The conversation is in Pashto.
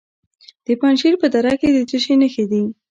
د پنجشیر په دره کې د څه شي نښې دي؟